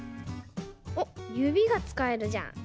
おっゆびがつかえるじゃん。